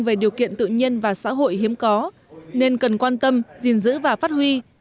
về điều kiện tự nhiên và xã hội hiếm có nên cần quan tâm gìn giữ và phát huy